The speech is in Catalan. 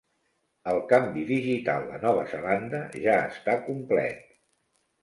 El canvi digital a Nova Zelanda ja està complet.